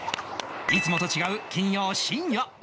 いつもと違う金曜深夜